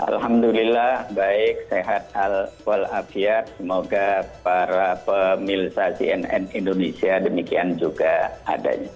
alhamdulillah baik sehat semoga para pemilisasi nn indonesia demikian juga adanya